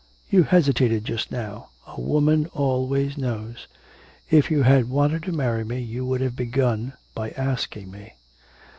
'You hesitated just now. A woman always knows. ... If you had wanted to marry me you would have begun by asking me.'